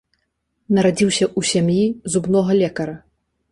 Нарадзіўся ў сям'і зубнога лекара.